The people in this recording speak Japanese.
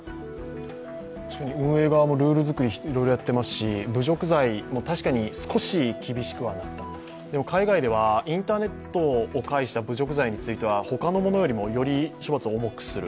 非常に運営側もルール作りいろいろやっていますし侮辱罪、確かに少しは厳しくなった海外ではインターネットを介した侮辱罪については、他のものよりもより処罰を重くする、